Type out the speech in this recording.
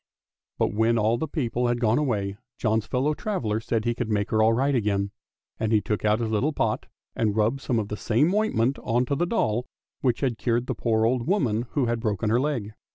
But when all the people had gone away John's fellow traveller said he could make her all right again, and he took out his little pot and rubbed some of the same ointment on to the doll which had cured the poor old woman who had broken her leg.